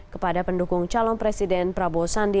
kepada pendukung calon presiden prabowo sandi